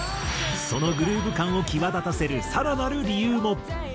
そのグルーヴ感を際立たせる更なる理由も。